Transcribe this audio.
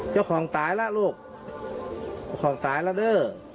ตายแล้วลูกเจ้าของตายแล้วเด้อ